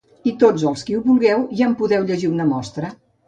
I tots els qui ho vulgueu ja en podeu llegir una mostra.